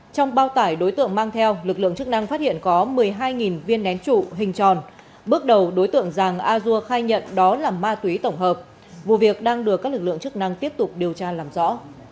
trong bao tải đối tượng mang theo lực lượng chức năng phát hiện có một mươi hai viên nén trụ hình tròn bước đầu đối tượng giàng a dua khai nhận đó là ma túy tổng hợp vụ việc đang được các lực lượng chức năng tiếp tục điều tra làm rõ